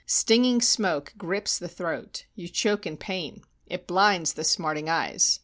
Stinging smoke grips the throat; you choke in pain. It bhnds the smarting eyes.